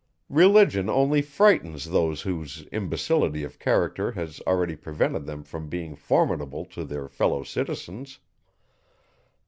Religion only frightens those whose imbecility of character has already prevented them from being formidable to their fellow citizens.